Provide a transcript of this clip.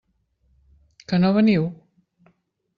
Que no veniu?